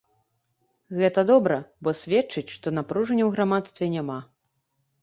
Гэта добра, бо сведчыць, што напружання ў грамадстве няма.